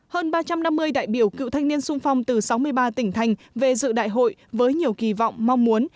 hơn ba trăm năm mươi đại biểu cựu thanh niên sung phong từ sáu mươi ba tỉnh thành về dự đại hội với nhiều kỳ vọng mong muốn